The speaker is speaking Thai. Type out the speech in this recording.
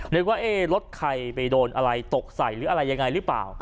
นึกว่ารถใครไปโดนอะไรตกใส่หรืออะไรยังไงหรือเปล่า